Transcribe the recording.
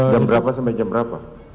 jam berapa sampai jam berapa